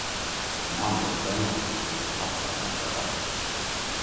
Men Andor drøymer om å bli forfattar ein vakker dag.